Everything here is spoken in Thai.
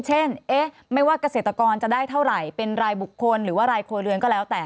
เช่นไม่ว่าเกษตรกรจะได้เท่าไหร่เป็นรายบุคคลหรือว่ารายครัวเรือนก็แล้วแต่